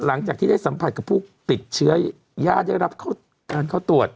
หลังจากที่ได้สัมผัสกับผู้ติดเชื้อย่าได้รับการเข้าตรวจ